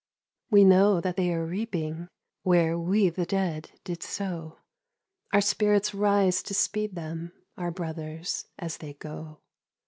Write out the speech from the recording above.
96 Aetat 19. We know that they are reaping Where we the dead did sow, Our spirits rise to speed them Our brothers, as they go.